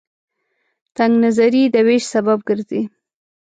تنگ نظرۍ د وېش سبب ګرځي.